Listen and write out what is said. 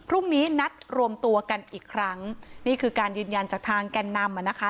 พรุ่งนี้นัดรวมตัวกันอีกครั้งนี่คือการยืนยันจากทางแก่นนำอ่ะนะคะ